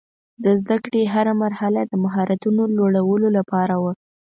د زده کړې هره مرحله د مهارتونو لوړولو لپاره وه.